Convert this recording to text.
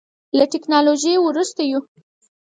له ټکنالوژۍ وروسته یو.